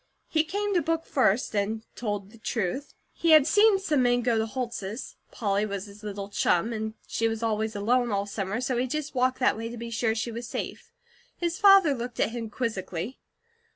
He came to book first, and told the truth. He had seen some men go to the Holts'. Polly was his little chum; and she was always alone all summer, so he just walked that way to be sure she was safe. His father looked at him quizzically.